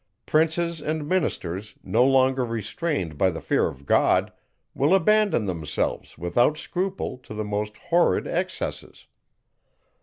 Princes and ministers, no longer restrained by the fear of God, will abandon themselves, without scruple, to the most horrid excesses."